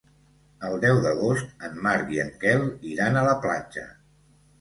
El deu d'agost en Marc i en Quel iran a la platja.